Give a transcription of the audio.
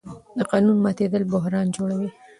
د قانون ماتېدل بحران جوړوي